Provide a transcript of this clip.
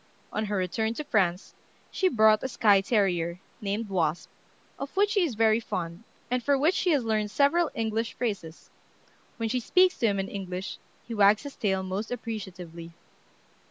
On her return to France she brought a skye terrier, named "Wasp," of which she is very fond, and for which she has learned several English phrases. When she speaks to him in English, he wags his tail most appreciatively.